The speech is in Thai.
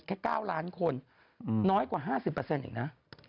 แค่๙ล้านคนน้อยกว่า๕๐อีกนะ